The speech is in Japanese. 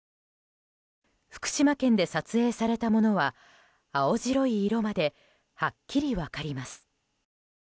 福島県で撮影されたものは青白い色まではっきり分かります。